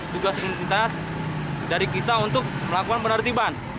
tugas komunitas dari kita untuk melakukan penertiban